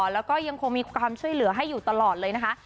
แล้วก็ยังคงมีความช่วยเหลือให้อยู่ตลอดเลยนะคะ